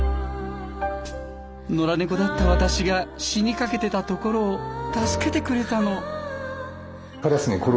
野良猫だった私が死にかけてたところを助けてくれたの。